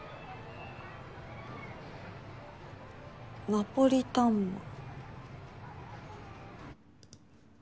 ナポリタンマン。